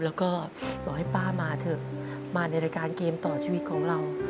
แล้วก็บอกให้ป้ามาเถอะมาในรายการเกมต่อชีวิตของเรา